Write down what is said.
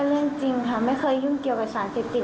เรื่องจริงค่ะไม่เคยยุ่งเกี่ยวกับสารเสพติด